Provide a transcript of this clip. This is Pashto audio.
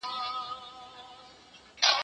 کېدای سي کتابونه اوږده وي